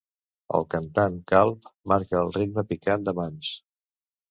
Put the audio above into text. El cantant calb marca el ritme picant de mans.